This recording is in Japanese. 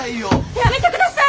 やめてください！